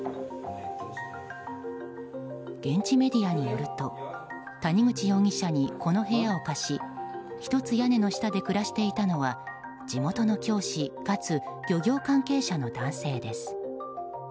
現地メディアによると谷口容疑者にこの部屋を貸し一つ屋根の下で暮らしていたのは地元の教師かつ漁業関係者の男性です。